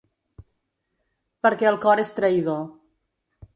Perquè el cor és traïdor.